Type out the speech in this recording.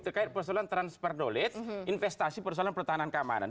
terkait persoalan transfer dolet investasi persoalan pertahanan keamanan